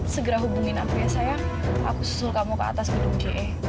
segera hubungin aku ya sayang